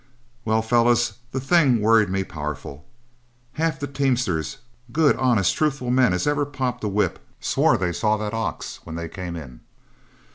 "Well, fellows, that thing worried me powerful. Half the teamsters, good, honest, truthful men as ever popped a whip, swore they saw that ox when they came in.